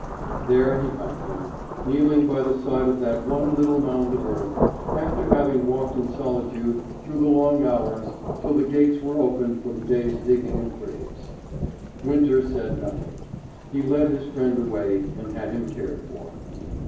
There he found him, kneeling by the side of that one little mound of earth, after having walked in solitude through the long hours till the gates were opened for the day's digging of graves. Winter said nothing. He led his friend away, and had him cared for.